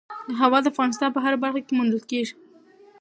هوا د افغانستان په هره برخه کې موندل کېږي.